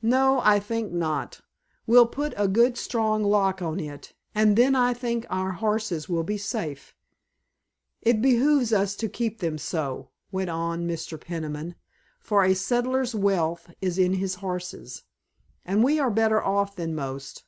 "No, I think not. We'll put a good strong lock on it, and then I think our horses will be safe. It behooves us to keep them so," went on Mr. Peniman, "for a settler's wealth is in his horses, and we are better off than most.